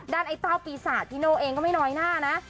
ด้านไอ้ตาวปีศาจที่โน้นเองก็ไม่นอยหน้านะ